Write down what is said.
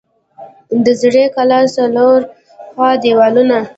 د زړې کلا څلور خوا دیوالونه